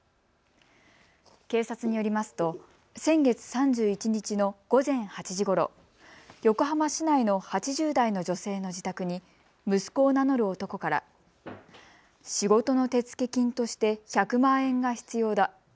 警察によりますと先月３１日の午前８時ごろ、横浜市内の８０代の女性の自宅に息子を名乗る男から仕事の手付金として１００万円が必要だ。